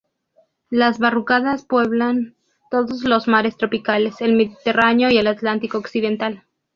Las barracudas pueblan todos los mares tropicales, el Mediterráneo y el Atlántico occidental.